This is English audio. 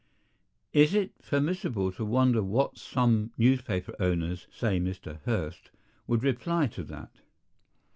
Is it permissible to wonder what some newspaper owners—say Mr. Hearst—would reply to that?